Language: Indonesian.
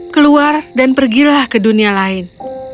keluar dan pergilah ke dunia lain